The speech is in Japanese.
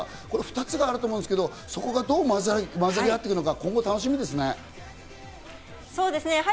この２つがあると思うんですが、そこがどうまざり合っていくか今後、楽しみですね。